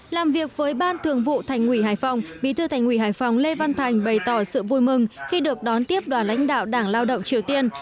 làm việc với ban thường vụ thành ủy hải phòng bí thư thành ủy hải phòng lê văn thành bày tỏ sự vui mừng khi được đón tiếp đoàn lãnh đạo đảng lao động triều tiên